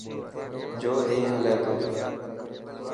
جو اي هلي تو.